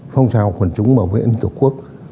phòng trào quần chúng bảo vệ an ninh tổ quốc